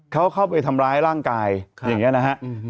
เขาเข้าไปทำร้ายร่างกายอย่างนี้นะฮะ